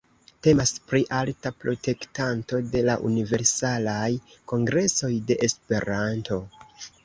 Temas pri alta protektanto de la Universalaj Kongresoj de Esperanto.